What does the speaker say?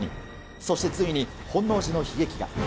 そしてついに本能寺の悲劇が。